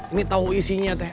ini tahu isinya teh